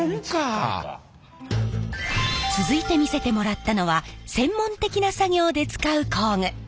続いて見せてもらったのは専門的な作業で使う工具。